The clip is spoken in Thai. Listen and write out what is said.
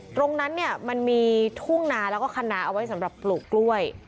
ตรงนั้นเนี่ยมันมีทุ่งนาแล้วก็คณะเอาไว้สำหรับปลูกกล้วย